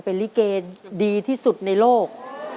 เป็นลิเกดีที่สุดในโลก